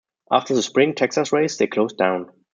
After the spring Texas race, they closed down.